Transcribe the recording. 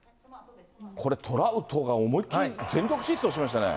これ、トラウトが思いっ切り全力疾走しましたね。